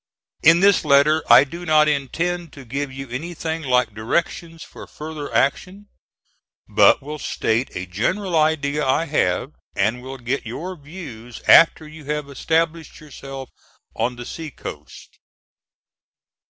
In this letter I do not intend to give you anything like directions for future action, but will state a general idea I have, and will get your views after you have established yourself on the sea coast.